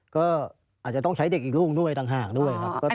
ก็อาจจะต้องใช้เด็กอีกลูกด้วยต่างหากด้วยครับ